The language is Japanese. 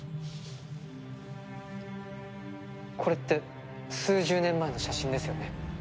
これって数十年前の写真ですよね？